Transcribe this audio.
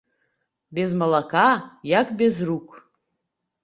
Без малака як без рук.